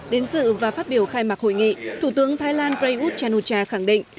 đến dự và phát biểu khai mạc hội nghị thủ tướng thái lan prayuth chanucha khẳng định